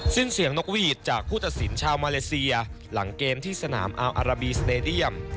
สิ้นเสียงนกหวีดจากผู้ตัดสินชาวมาเลเซียหลังเกมที่สนามอัลอาราบีสเตดียม